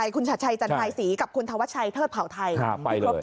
คุณชัดชัยจันทรายศรีกับคุณธวัชชัยเทิดเผาไทย